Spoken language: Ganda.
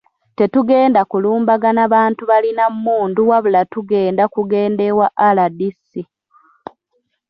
Tetugenda kulumbagana bantu balina mmundu wabula tugenda kugenda ewa RDC